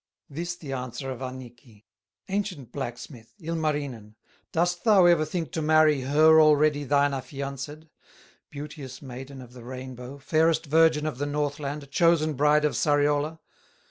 This the answer of Annikki: "Ancient blacksmith, Ilmarinen, Dost thou ever think to marry Her already thine affianced, Beauteous Maiden of the Rainbow, Fairest virgin of the Northland, Chosen bride of Sariola?